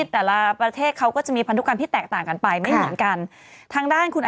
แต่ละประเทศก็จะมีพันธุกรรมที่แตกต่างกันไปไม่เหมือนกัน